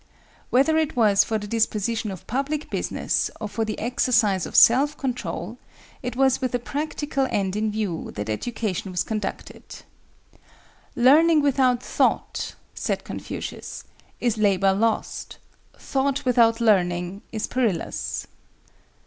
Whether it was for the disposition of public business or for the exercise of self control, it was with a practical end in view that education was conducted. "Learning without thought," said Confucius, "is labor lost: thought without learning is perilous."